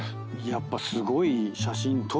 やっぱすごい写真撮るね。